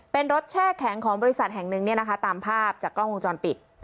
เป็นรถแช่แข็งของบริษัทแห่งหนึ่งเนี่ยนะคะตามภาพจากกล้องวงจรปิด